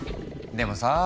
でもさあ